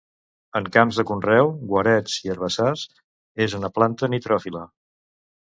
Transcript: En camps de conreu, guarets i herbassars, és una planta nitròfila.